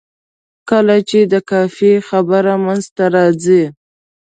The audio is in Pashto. کله چې د قافیې خبره منځته راځي.